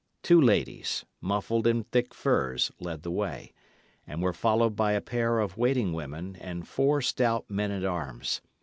Two ladies, muffled in thick furs, led the way, and were followed by a pair of waiting women and four stout men at arms.